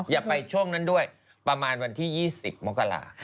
อย่าไปช่วงนั้นด้วยประมาณวันที่๒๐มกรา